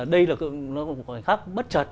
đây là một khoảnh khắc bất chật